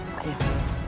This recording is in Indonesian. hidup raden kian santang